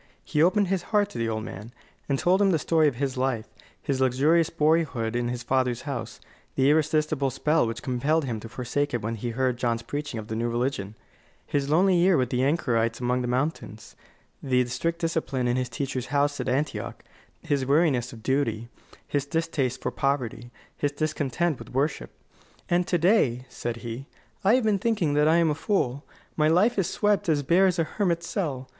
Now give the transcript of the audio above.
He opened his heart to the old man, and told him the story of his life: his luxurious boyhood in his father's house; the irresistible spell which compelled him to forsake it when he heard John's preaching of the new religion; his lonely year with the anchorites among the mountains; the strict discipline in his teacher's house at Antioch; his weariness of duty, his distaste for poverty, his discontent with worship. "And to day," said he, "I have been thinking that I am a fool. My life is swept as bare as a hermit's cell.